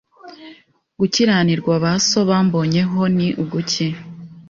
Gukiranirwa ba so bambonyeho ni uguki,